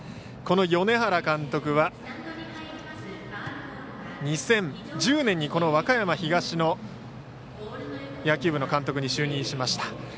この米原監督は２０１０年にこの和歌山東の野球部の監督に就任しました。